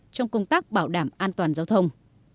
trong công tác bảo đảm an toàn giao thông